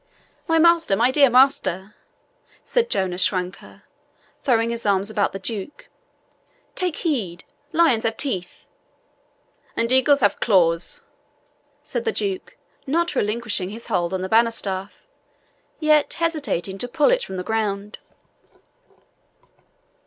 "My master, my dear master!" said Jonas Schwanker, throwing his arms about the Duke, "take heed lions have teeth " "And eagles have claws," said the Duke, not relinquishing his hold on the banner staff, yet hesitating to pull it from the ground.